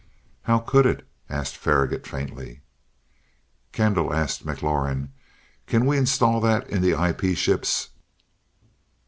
"How could it?" asked Faragaut, faintly. "Kendall," asked McLaurin, "can we install that in the IP ships?"